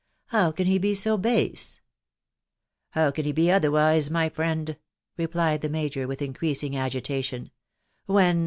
How can he be so base ?"" How can he be otherwise, my friend ?" replied the major with increasing agitation, Ci when